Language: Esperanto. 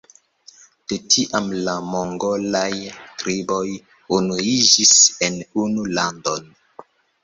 De tiam la mongolaj triboj unuiĝis en unu landon.